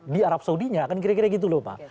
di arab saudinya kan kira kira gitu loh pak